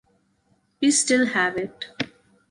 We still have it.